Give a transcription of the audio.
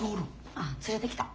ああ連れてきた。